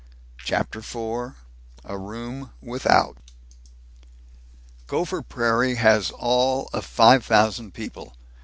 CHAPTER IV A ROOM WITHOUT Gopher Prairie has all of five thousand people.